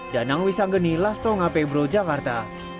danang wisanggeni lastonga pebro jakarta